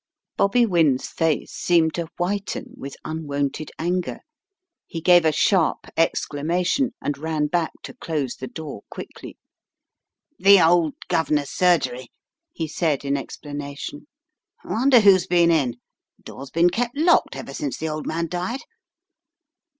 Bobby Wynne's face seemed to whiten with un wonted anger. He gave a sharp exclamation, and ran back to close the door quickly. "The old guv'nor's surgery," he said in explana tion. "Wonder who's been in? Door's been kept locked ever since the old man died.